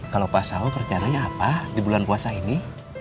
kalau pak saung perjananya apa di bulan puasa ini